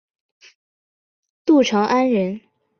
陆朝安人。